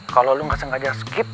kalau lo gak sengaja skip